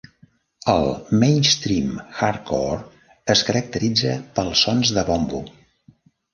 El mainstream hardcore es caracteritza pels sons de bombo.